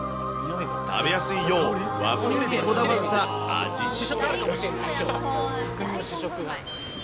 食べやすいよう、和風にこだわった味付け。